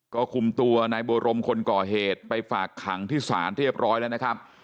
ก็คุมตัวนายบัวรมคนก่อเหตุไปฝากขังที่ศาลเรียบร้อยแล้วนะครับ